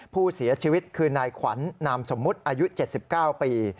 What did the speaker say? ผู้เสียชีวิตคือนายขวัญนามสมมุติอายุ๗๙ปี